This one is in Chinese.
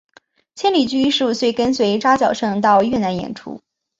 千里驹十五岁跟随扎脚胜到越南演出。